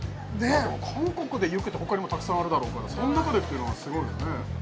でも韓国でユッケって他にもたくさんあるだろうからその中でっていうのはすごいよね